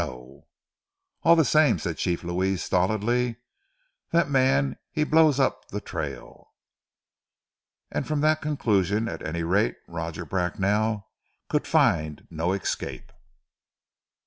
"No!" "All ze same," said Chief Louis stolidly, "that mans he blow up ze trail." And from that conclusion, at any rate, Roger Bracknell could find no escape.